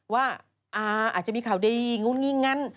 ว่าอาจจะมีข่าวดีงุ้นงิ่งงั้น